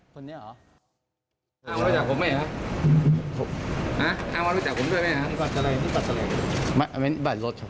ถ้าเราดูเนี้ยเลขเราต้องดูจังนะ